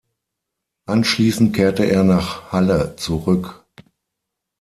Anschließend kehrte er nach Halle zurück.